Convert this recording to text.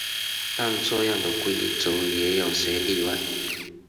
但这样的规则也有些例外。